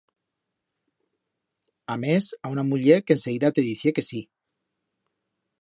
Amés a una muller que enseguida te dicié que sí.